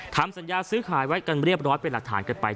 ทำสัญญาซื้อขายไว้กันเรียบร้อยเป็นหลักฐานกันไป